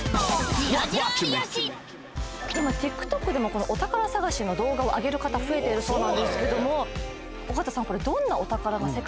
今ＴｉｋＴｏｋでもこのお宝探しの動画を上げる方増えてるそうなんですけどもそうなの？